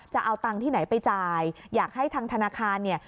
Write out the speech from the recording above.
จะเอาตังค์ที่ไหนไปจ่ายอยากให้ทางธนาคารเนี่ย